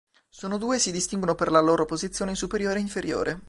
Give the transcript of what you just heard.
Sono due e si distinguono per la loro posizione in superiore e inferiore.